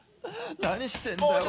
何してんだよ俺。